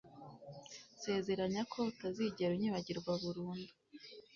Nsezeranya ko utazigera unyibagirwa burundu